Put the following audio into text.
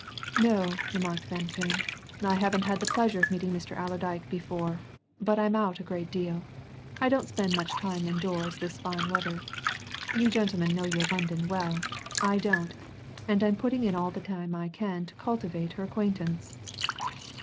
"No," remarked Van Koon. "I haven't had the pleasure of meeting Mr. Allerdyke before. But I'm out a great deal I don't spend much time indoors this fine weather. You gentlemen know your London well I don't, and I'm putting in all the time I can to cultivate her acquaintance."